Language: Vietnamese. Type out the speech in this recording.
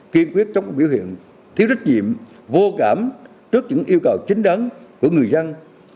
kiên quyết trong biểu hiện thiếu trách nhiệm vô cảm trước những yêu cầu chính đắn của người dân